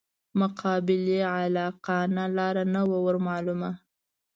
مقابلې عاقلانه لاره نه وه ورمعلومه.